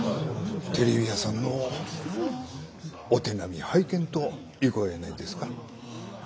テレビ屋さんのお手並み拝見といこうやないですか。